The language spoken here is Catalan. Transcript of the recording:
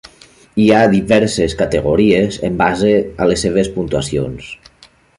Hi ha diverses categories en base de les seves puntuacions.